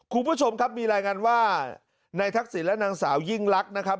คุณผู้ชมครับมีรายงานว่านายทักษิณและนางสาวยิ่งลักษณ์นะครับ